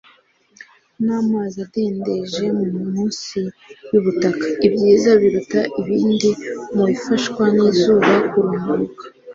n'amazi adendeje mu nsi y'ubutaka, ibyiza biruta ibindi mu bifashwa n'izuba kurumbuka